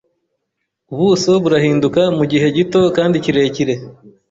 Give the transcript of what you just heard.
Ubuso burahinduka mugihe gito kandi kirekire